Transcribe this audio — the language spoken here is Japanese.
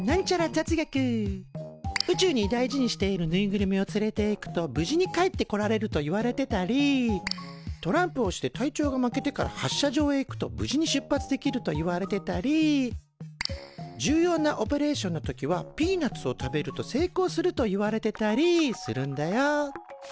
宇宙に大事にしているぬいぐるみを連れいくと無事に帰ってこられるといわれてたりトランプをして隊長が負けてから発射場へ行くと無事に出発できるといわれてたり重要なオペレーションの時はピーナツを食べると成功するといわれてたりするんだよ。